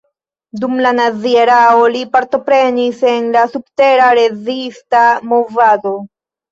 Dum la nazia erao li partoprenis en la subtera rezista movado.